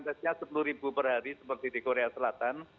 tesnya sepuluh ribu per hari seperti di korea selatan